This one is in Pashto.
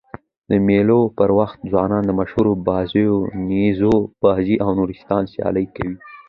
د مېلو پر وخت ځوانان د مشهورو بازيو: نیزه بازي او نورو سيالۍ کوي.